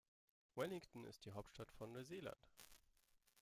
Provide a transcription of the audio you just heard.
Wellington ist die Hauptstadt von Neuseeland.